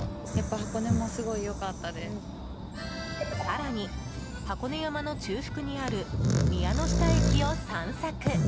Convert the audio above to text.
更に箱根山の中腹にある宮ノ下駅を散策。